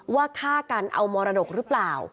ฆ่ากันเอามรดกหรือเปล่า